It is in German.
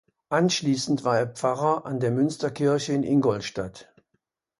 Anschließend war er Pfarrer an der Münsterkirche in Ingolstadt.